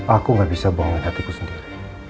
aku gak bisa bawa hatiku sendiri